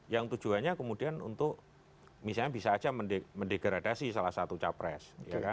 yang tujuannya kemudian untuk misalnya bisa saja mendegradasi salah satu capres